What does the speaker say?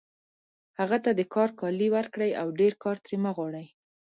هغه ته د کار کالي ورکړئ او ډېر کار ترې مه غواړئ